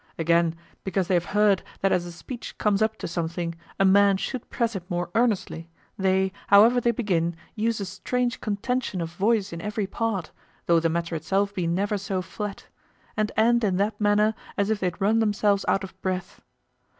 Again, because they have heard that as a speech comes up to something, a man should press it more earnestly, they, however they begin, use a strange contention of voice in every part, though the matter itself be never so flat, and end in that manner as if they'd run themselves out of breath.